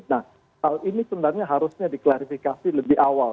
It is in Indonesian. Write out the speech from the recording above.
nah hal ini sebenarnya harusnya diklarifikasi lebih awal